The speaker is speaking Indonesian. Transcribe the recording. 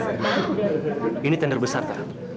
oh ini tender besar tak